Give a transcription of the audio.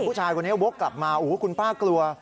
ผู้ชายคนนี้โบ๊คกลับมาอู๋คุณป้ากลัว